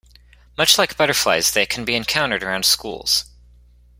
Much like butterflies, they can be encountered around schools.